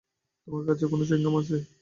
তোমার কাছে কোন চুইংগাম আছে?